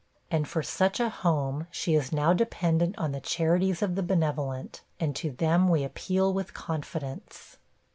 And for such a 'home' she is now dependant on the charities of the benevolent, and to them we appeal with confidence.